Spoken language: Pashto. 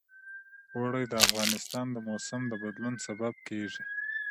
اوړي د افغانستان د موسم د بدلون سبب کېږي.